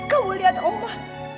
kamu lihat omah